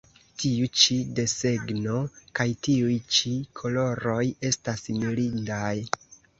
Tiu ĉi desegno kaj tiuj ĉi koloroj estas mirindaj!